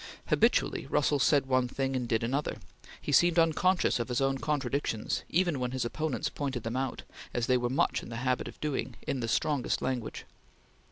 Habitually Russell said one thing and did another. He seemed unconscious of his own contradictions even when his opponents pointed them out, as they were much in the habit of doing, in the strongest language.